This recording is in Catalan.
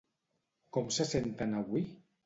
Com se senten avui?